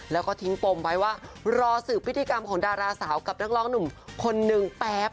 แล้วก็ทิ้งปมไว้ว่ารอสืบพิธีกรรมของดาราสาวกับนักร้องหนุ่มคนนึงแป๊บ